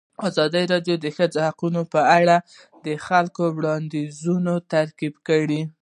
ازادي راډیو د د ښځو حقونه په اړه د خلکو وړاندیزونه ترتیب کړي.